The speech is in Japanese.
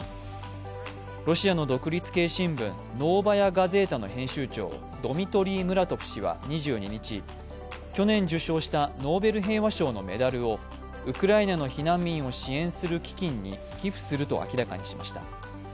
ロシアの独立系新聞「ノーバヤ・ガゼータ」の編集長ドミトリー・ムラトフ氏は２２日、去年受賞したノーベル平和賞のメダルをウクライナの避難民を支援する基金に寄付すると明らかにしました。